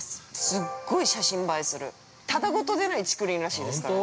すっごい写真映えするただごとでない竹林らしいですからね。